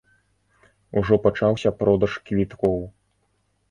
Ужо пачаўся продаж квіткоў.